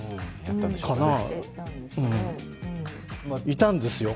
いたんですよ。